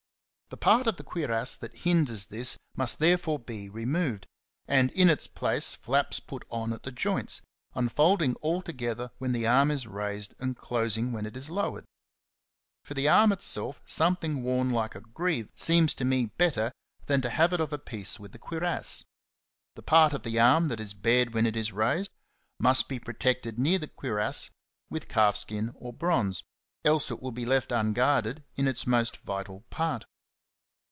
The part of the cuirass that hinders this must therefore be removed, and in its place flaps put on at the joints, unfolding all together when the arm is raised and closing when it is lowered. For the arm itself, something worn like a greave^^ seems to me better than to have it of a piece with CHAPTER XII. ej the cuirass. The part of the arm that is bared when it is raised ^^ must be protected near the cuirass with calfskin or bronze, else it will be left unguarded in its most vital part.